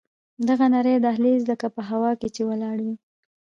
دغه نرى دهلېز لکه په هوا کښې چې ولاړ وي.